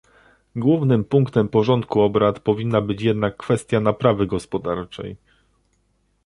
Głównym punktem porządku obrad powinna być jednak kwestia naprawy gospodarczej